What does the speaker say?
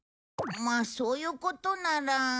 まあそういうことなら。